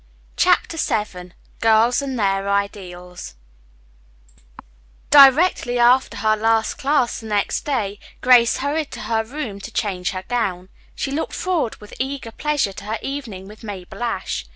CHAPTER VII GIRLS AND THEIR IDEALS Directly after her last class the next day, Grace hurried to her room to change her gown. She looked forward with eager pleasure to her evening with Mabel Ashe.